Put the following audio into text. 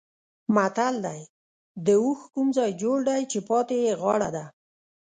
متل دی: د اوښ کوم ځای جوړ دی چې پاتې یې غاړه ده.